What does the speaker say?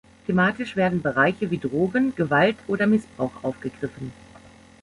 Thematisch werden Bereiche wie Drogen, Gewalt oder Missbrauch aufgegriffen.